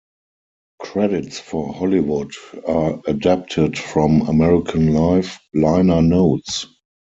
Credits for "Hollywood" are adapted from "American Life" liner notes.